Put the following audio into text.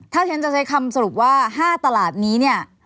ถ้าฉันจะใช้คำสรุปว่า๕ตลาดนี้เนี่ย